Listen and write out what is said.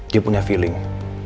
dia punya feeling